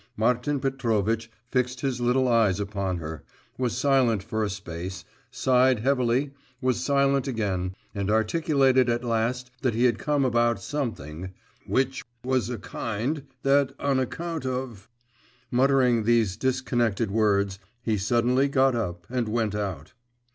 Martin Petrovitch fixed his little eyes upon her, was silent for a space, sighed heavily, was silent again, and articulated at last that he had come about something … which … was of a kind, that on account of.… Muttering these disconnected words, he suddenly got up and went out.